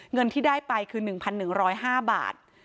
เงินที่ได้ไปคือ๑๑๐๕บาท